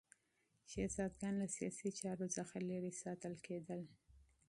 شهزادګان له سیاسي چارو څخه لیرې ساتل کېدل.